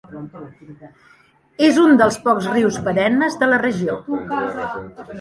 És un dels pocs rius perennes de la regió.